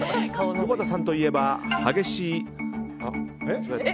久保田さんといえば激しい。